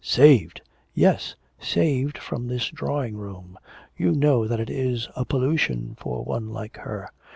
'Saved!' 'Yes, saved from this drawing room; you know that it is a pollution for one like her.'